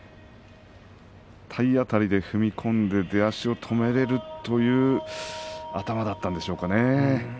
体当たりで踏み込んで出足を止められるという頭だったんでしょうかね。